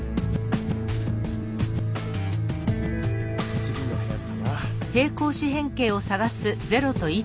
次の部屋かな？